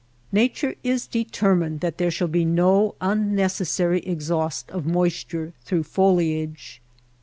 Nature is determined that there shall be no unnecessary exhaust of moist ure through foliage.